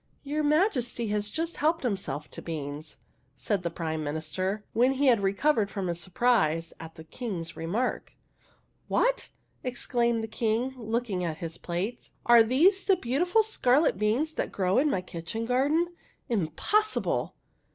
Your Majesty has just helped himself to beans," said the Prime Minister, when he had recovered from his surprise at the King's remark. " What ?" exclaimed the King, looking at his plate. "Are these the beautiful scarlet beans that grow in my kitchen garden? Im possible